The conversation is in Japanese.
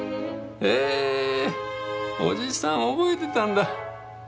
えおじさん覚えてたんだ。